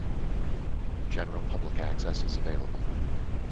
General public access is available.